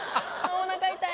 おなか痛い。